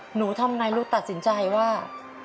หนูทำอย่างไรลูกตัดสินใจว่า